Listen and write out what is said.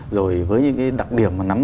rồi với những cái đặc điểm mà nắm